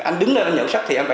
anh đứng lên anh nhận xuất sắc